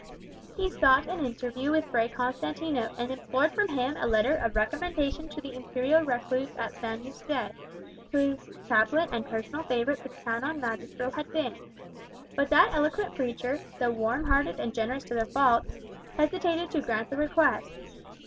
He sought an interview with Fray Constantino, and implored from him a letter of recommendation to the imperial recluse at San Yuste, whose chaplain and personal favourite the canon magistral had been. But that eloquent preacher, though warm hearted and generous to a fault, hesitated to grant the request.